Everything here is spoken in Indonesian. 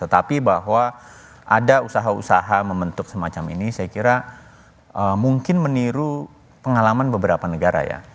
tetapi bahwa ada usaha usaha membentuk semacam ini saya kira mungkin meniru pengalaman beberapa negara ya